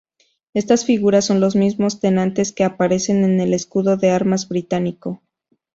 Estas figuras son los mismos tenantes que aparecen en el escudo de armas británico.